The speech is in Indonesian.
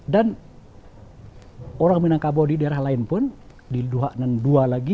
dan orang minangkabau di daerah lain pun di luak nantua lagi